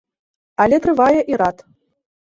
Але трывае і рад.